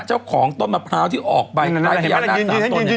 เจ้าของต้นมะพร้าวที่ออกไปคล้ายพญานาค๓ต้นเนี่ย